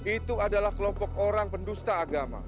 itu adalah kelompok orang pendusta agama